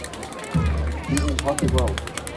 ดิอิมพอสสิเบิ้ล